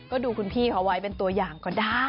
ก็ดูคุณพี่เขาไว้เป็นตัวอย่างก็ได้